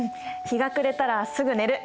日が暮れたらすぐ寝る。